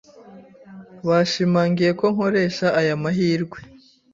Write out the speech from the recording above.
Bashimangiye ko nkoresha aya mahirwe.